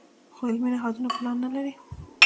خو علمي نهادونه پلان نه لري.